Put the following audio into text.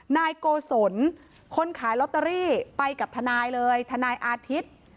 นายโกศลคนขายลอตเตอรี่ไปกับทนายเลยทนายอาทิตย์